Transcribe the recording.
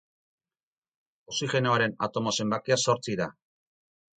Oxigenoaren atomo zenbakia zortzi da.